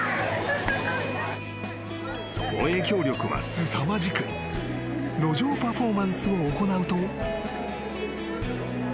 ［その影響力はすさまじく路上パフォーマンスを行うと］